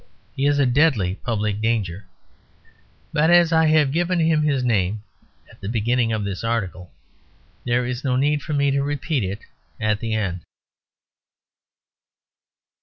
He is a deadly public danger. But as I have given him his name at the beginning of this article there is no need for me to repeat it at the end.